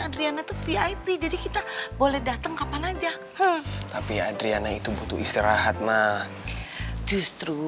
adriana itu vip jadi kita boleh datang kapan aja tapi adriana itu butuh istirahat mas justru